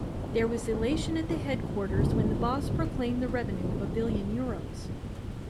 There was elation at the headquarters when the boss proclaimed the revenue of a billion euros.